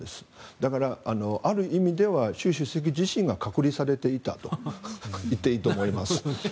だから、ある意味では習主席自身が隔離されていたと言っていいと思います。